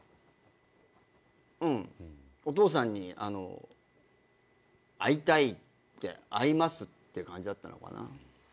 お父さんに会いたいって会いますって感じだったのかな。